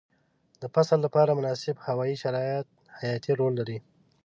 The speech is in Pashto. د فصل لپاره مناسب هوايي شرایط حیاتي رول لري.